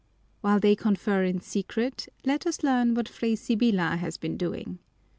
While they confer in secret, let us learn what Fray Sibyla has been doing.